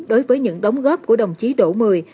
đối với những đóng góp của đồng chí đổ mười